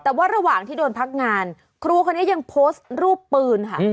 แต่ว่าระหว่างที่โดนพักงานครูคนนี้ยังโพสต์รูปปืนค่ะ